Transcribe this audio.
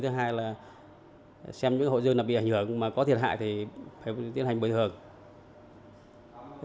thứ hai là xem những hội dân bị ảnh hưởng mà có thiệt hại thì phải tiến hành bồi thường